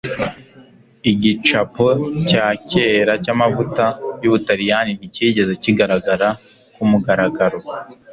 igicapo cya kera cyamavuta yubutaliyani nticyigeze kigaragara kumugaragaro